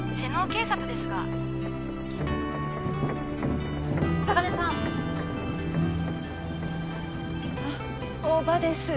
警察ですが嵯峨根さんあっ大庭です